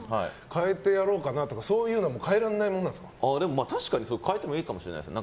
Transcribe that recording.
変えてやろうかなとかそういうのも確かに変えてもいいかもしれないですね。